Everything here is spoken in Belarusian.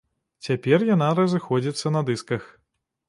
Цяпер яна разыходзіцца на дысках.